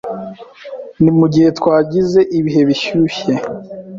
Ni mugihe twagize ibihe bishyushye.